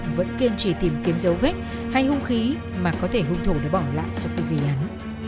nhưng đội khám vẫn kiên trì tìm kiếm dấu vết hay hung khí mà có thể hung thủ để bỏ lại sau khi ghi án